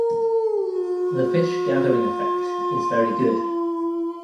The fish gathering effect is very good.